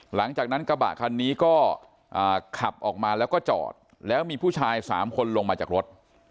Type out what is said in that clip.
กระบะคันนี้ก็ขับออกมาแล้วก็จอดแล้วมีผู้ชาย๓คนลงมาจากรถ